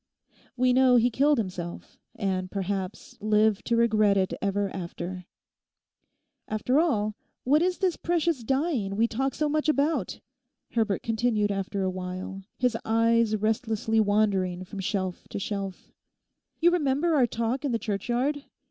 We know he killed himself; and perhaps lived to regret it ever after. 'After all, what is this precious dying we talk so much about?' Herbert continued after a while, his eyes restlessly wandering from shelf to shelf. 'You remember our talk in the churchyard?